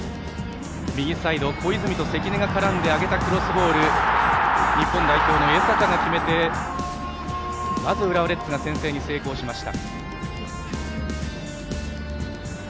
右サイド、小泉と関根が絡んで上げたクロスボール日本代表の江坂が決めてまず浦和レッズが先制に成功しました。